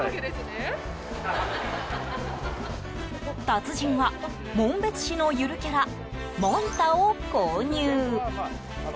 達人は、紋別市のゆるキャラ紋太を購入。